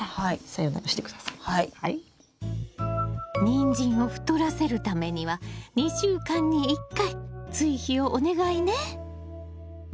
ニンジンを太らせるためには２週間に１回追肥をお願いね！